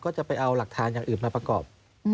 ก็จะไปเอาหลักฐานอย่างอื่นมาประกอบ